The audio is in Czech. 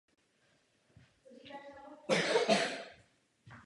V současnosti působí jako fotbalový trenér.